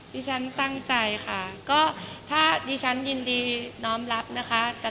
ดิฉันตั้งใจค่ะก็ถ้าดิฉันยินดีน้อมรับนะคะ